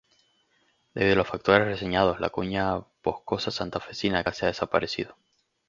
Debido a los factores reseñados la Cuña Boscosa Santafesina casi ha desaparecido.